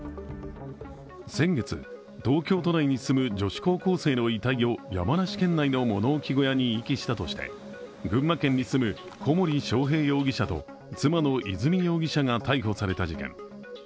先月、東京都内に住む女子高校生の遺体を山梨県内の物置小屋に遺棄したとして、群馬県に住む小森章平容疑者と妻の和美容疑者が逮捕された事件。